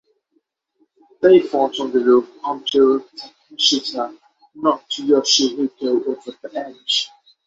They fought on the roof until Takeshita knocked Yoshihiko over the edge.